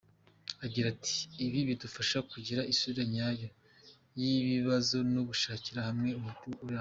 Agira ati “Ibi bidufasha kugira isura nyayo y’ibibazo no gushakira hamwe umuti urambye.